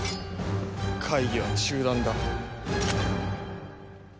会議は中断だ。